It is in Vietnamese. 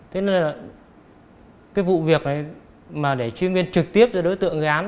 thế nên là cái vụ việc này mà để chuyên nghiên trực tiếp cho đối tượng gắn